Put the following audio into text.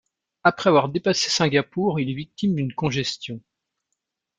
Après avoir dépassé Singapour, il est victime d'une congestion.